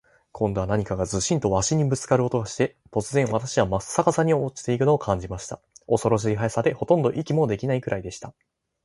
今度は何かズシンと鷲にぶっつかる音がして、突然、私はまっ逆さまに落ちて行くのを感じました。恐ろしい速さで、ほとんど息もできないくらいでした。